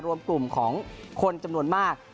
รวมกลุ่มของคนจำนวนมาก